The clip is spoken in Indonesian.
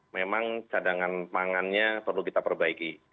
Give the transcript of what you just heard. memang cadangan pangannya perlu kita perbaiki